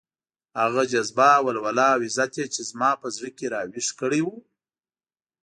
هغه جذبه، ولوله او عزت يې چې زما په زړه کې راويښ کړی وو.